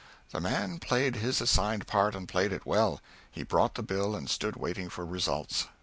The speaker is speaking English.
The man played his assigned part, and played it well. He brought the bill and stood waiting for results.